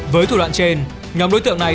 với thủ đoạn trên nhóm đối tượng này